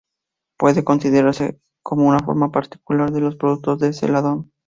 Puede considerarse como una forma particular de los productos de celadón.